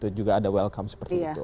itu juga ada welcome seperti itu